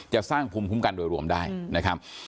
จะสร้างภูมิคุ้มกันโดยรวมได้นะครับ